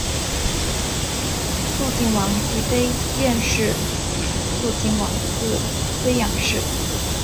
肃靖王继妃晏氏肃靖王次妃杨氏